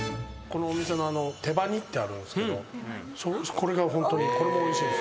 このお店の手羽煮ってあるんすけどこれがホントにこれもおいしいです。